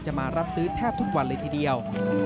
มารับซื้อแทบทุกวันเลยทีเดียว